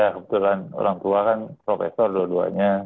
kebetulan orang tua kan profesor dua duanya